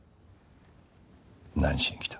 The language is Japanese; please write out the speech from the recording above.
何しに来た？